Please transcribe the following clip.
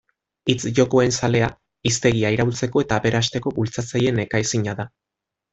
Hitz-jokoen zalea, hiztegia iraultzeko eta aberasteko bultzatzaile nekaezina da.